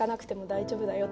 「大丈夫だよ」。